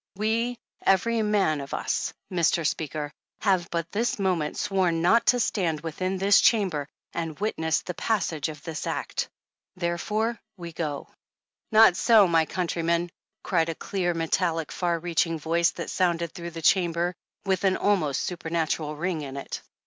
We, every man of us, Mr. Speaker, have but this moment sworn not to stand within this Chamber and witness the passage of this act. Therefore we go " ^'Not so, my countrymen," cried a clear metallic far reaching voice that sounded through the Chamber with an almost supernatural ring in it.